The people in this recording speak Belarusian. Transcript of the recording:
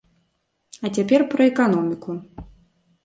А цяпер пра эканоміку.